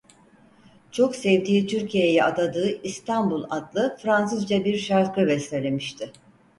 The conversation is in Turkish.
Çok sevdiği Türkiye'ye adadığı "İstanbul" adlı Fransızca bir şarkı bestelemişti.